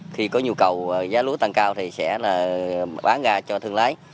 khi có nhu cầu giá lúa tăng cao thì sẽ là bán ra cho thương lái